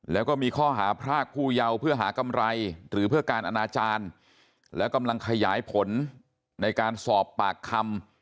แล้วก็มีข้อหาพรากผู้เยาว์เพื่อหากำไรหรือเพื่อการอนาจารย์และกำลังขยายผลในการสอบปากคำ